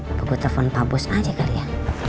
aku gue telepon pak bos aja kali ya